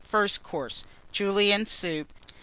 FIRST COURSE. Julienne Soup.